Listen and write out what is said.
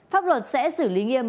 pháp luật sẽ xử lý nghiêm